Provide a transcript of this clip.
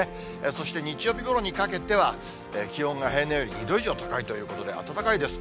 そして日曜日ごろにかけては、気温が平年より２度以上高いということで、暖かいです。